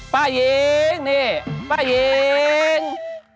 ป้ายิงนี่ป้ายิง